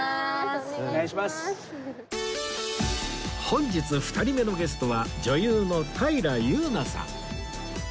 本日２人目のゲストは女優の平祐奈さん